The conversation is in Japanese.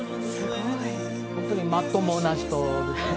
本当にまっともな人でしたね。